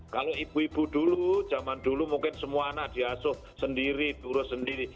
kalau ibu ibu dulu zaman dulu mungkin semua anak di asuh sendiri buruh sendiri